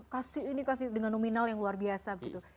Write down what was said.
kasih ini kasih itu dengan nominal yang luar biasa gitu